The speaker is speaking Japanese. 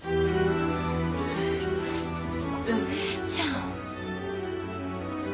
お姉ちゃん。